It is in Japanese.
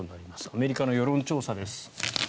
アメリカの世論調査です。